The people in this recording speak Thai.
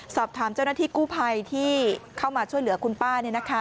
สอบถามเจ้าหน้าที่กู้ภัยที่เข้ามาช่วยเหลือคุณป้า